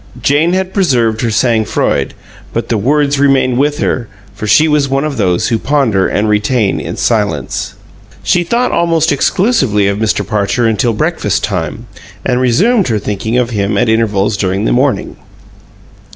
Jane had preserved her sang froid, but the words remained with her, for she was one of those who ponder and retain in silence. She thought almost exclusively of Mr. Parcher until breakfast time, and resumed her thinking of him at intervals during the morning.